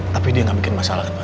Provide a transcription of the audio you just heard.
tapi dia nggak bikin masalah kan pak